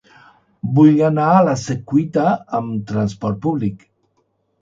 Vull anar a la Secuita amb trasport públic.